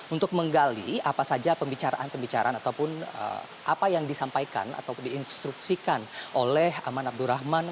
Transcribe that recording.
untuk menggali apa saja pembicaraan pembicaraan ataupun apa yang disampaikan atau diinstruksikan oleh aman abdurrahman